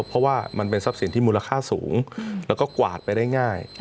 เพราะว่ามันเป็นทรัพย์สินที่มูลค่าสูงแล้วก็กวาดไปได้ง่าย